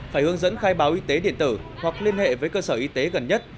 phải hướng dẫn khai báo y tế điện tử hoặc liên hệ với cơ sở y tế gần nhất